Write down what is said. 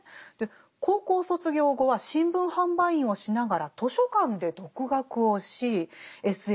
高校卒業後は新聞販売員をしながら図書館で独学をしＳＦを書いていったと。